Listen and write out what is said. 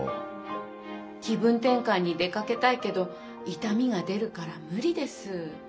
気分転換に出かけたいけど痛みが出るから無理です。